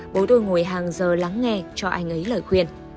bố đôi ngồi hàng giờ lắng nghe cho anh ấy lời khuyên